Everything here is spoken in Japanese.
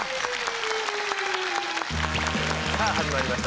さあ始まりました